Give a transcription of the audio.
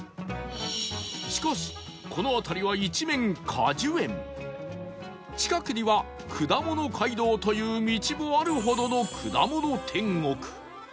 しかしこの辺りは一面果樹園近くにはくだもの街道という道もあるほどの果物天国